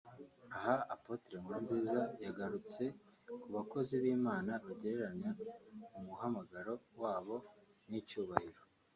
Aha Apôtre Nkurunziza yagarutse ku bakozi b’Imana bagereranya umuhamagaro wabo n’ibyubahiro